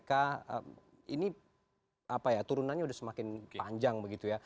karena ini turunannya sudah semakin panjang